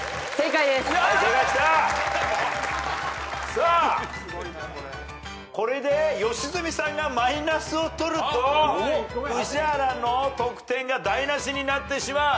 さあこれで良純さんがマイナスを取ると宇治原の得点が台無しになってしまう。